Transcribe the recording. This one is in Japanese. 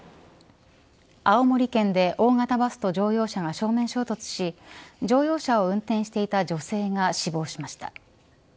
青森県で大型バスと乗用車が正面衝突し乗用車を運転していた女性が死亡しました。